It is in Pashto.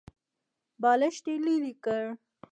بالښت يې ليرې کړ.